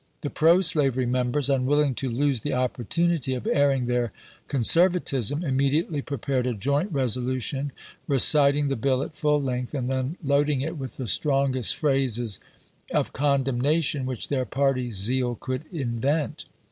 The pro slavery members, unwilling to lose the opportunity of airing their conservatism, immediately prepared a joint resolution reciting the bill at full length and then loading it with the strongest phrases of condemnation which their party zeal could invent.